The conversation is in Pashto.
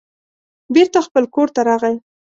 بېرته خپل کور ته راغی.